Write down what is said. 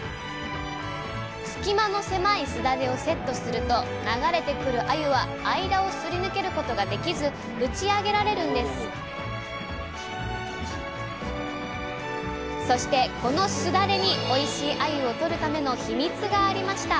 隙間の狭いすだれをセットすると流れてくるあゆは間をすり抜けることができず打ち上げられるんですそしてこのすだれにおいしいあゆをとるためのヒミツがありました！